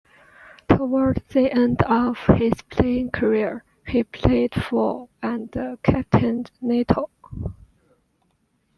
Toward the end of his playing career, he played for and captained Natal.